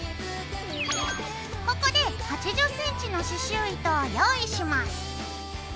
ここで８０ｃｍの刺しゅう糸を用意します。